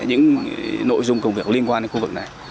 những nội dung công việc liên quan đến khu vực này